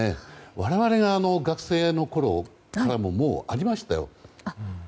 我々が学生のころももうありましたよ。